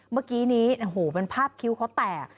เมื่อกี้นี้โอ้โหเป็นภาพคิ้วเขาแตก